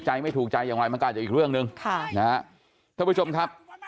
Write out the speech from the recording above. ใจไม่ถูกใจยังไงมันกล้าจะอีกเรื่องนึงครับทุกผู้ชมครับ